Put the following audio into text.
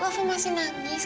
kafa masih nangis